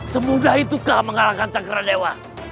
semudah itukah mengalahkan cangkra dewa